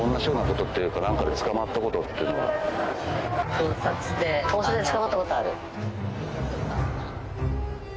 盗撮で捕まったことある？